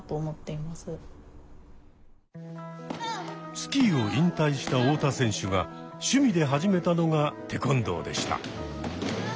スキーを引退した太田選手が趣味で始めたのが「テコンドー」でした。